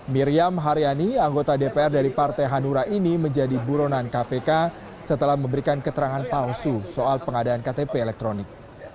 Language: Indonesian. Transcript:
miriam haryani anggota dpr dari partai hanura ini menjadi buronan kpk setelah memberikan keterangan palsu soal pengadaan ktp elektronik